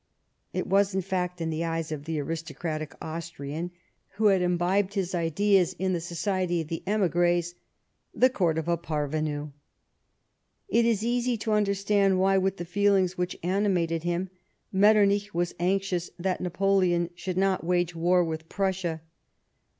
It was, in fact, in the eyes of the aristocratic Austrian, who had imbibed his ideas in the society of the emigres, the Court of a parvenu. It is easy to understand why, with the feelings which animated him, Metternich was anxious that Napoleon should not wage war with Prussia.